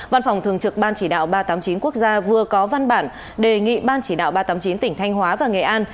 văn phòng thường trực ban chỉ đạo ba trăm tám mươi chín quốc gia vừa có văn bản đề nghị ban chỉ đạo ba trăm tám mươi chín tỉnh thanh hóa và nghệ an